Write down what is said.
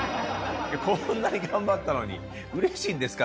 こんなに頑張ったのに、うれしいんですか？